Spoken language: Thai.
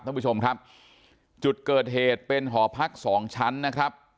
ท่านผู้ชมครับจุดเกิดเหตุเป็นหอพักสองชั้นนะครับ